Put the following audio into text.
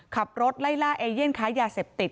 ขับรถไล่ล่าเอเย่นค้ายาเสพติด